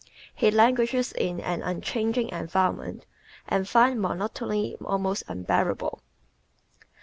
He languishes in an unchanging environment and finds monotony almost unbearable.